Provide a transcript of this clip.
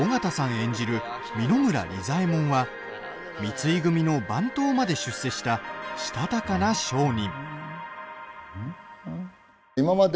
演じる三野村利左衛門は三井組の番頭まで出世したしたたかな商人。